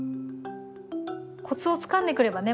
コツをつかんでくればね